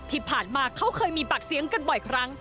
ที่ผ่านมาเขาเคยมีปากเสียงกันบ่อยครั้ง